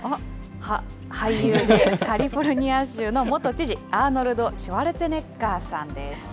俳優でカリフォルニア州の元知事、アーノルド・シュワルツェネッガーさんです。